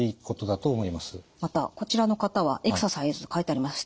またこちらの方はエクササイズ書いてあります。